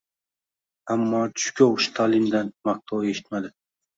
Ammo Jukov Stalindan maqtov eshitmadi